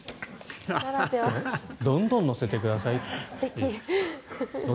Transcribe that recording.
どんどん乗せてくださいと。